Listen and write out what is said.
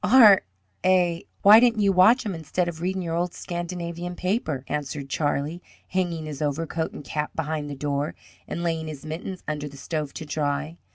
"Are, eh? Why didn't you watch 'em instead of readin' your old Scandinavian paper?" answered Charlie, hanging his overcoat and cap behind the door and laying his mittens under the stove to dry.